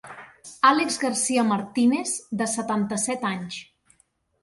Alex Garcia Martínez, de setanta-set anys.